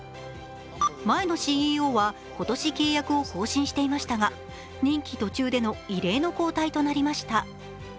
前のＣＥＯは今年契約を更新していましたが、任期途中での異例の交代となりました。